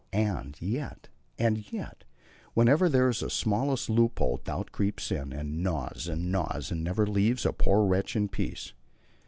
And yet and yet Wherever there is the smallest loophole, doubt creeps in and gnaws and gnaws and never leaves a poor wretch in peace.